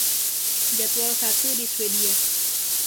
Jadwal Satu di Swedia.